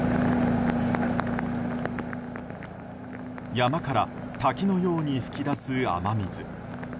山から滝のように噴き出す雨水。